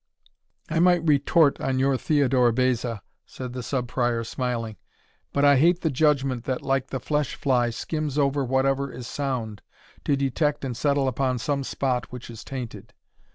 "I might retort on your Theodore Beza," said the Sub Prior, smiling; "but I hate the judgment that, like the flesh fly, skims over whatever is sound, to detect and settle upon some spot which is tainted.